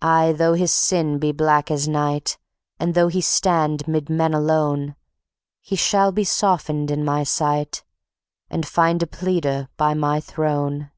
Aye, though his sin be black as night, And though he stand 'mid men alone, He shall be softened in My sight, And find a pleader by My Throne.